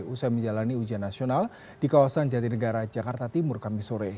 usai menjalani ujian nasional di kawasan jatinegara jakarta timur kamisore